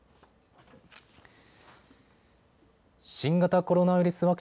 新型コロナウイルス